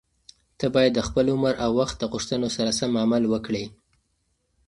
ته باید د خپل عمر او وخت د غوښتنو سره سم عمل وکړې.